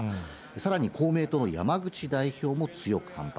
さらに公明党の山口代表も強く反発。